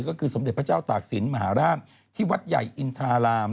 ก็คือสมเด็จพระเจ้าตากศิลปมหารามที่วัดใหญ่อินทราราม